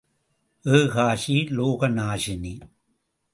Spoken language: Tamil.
ஏகாக்ஷி லோக நாசினி.